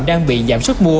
đang bị giảm sức mua